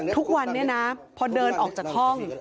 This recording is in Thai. ทุกวันนี้นะพอเดินออกจากห้อง